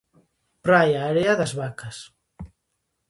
Praia Area das Vacas.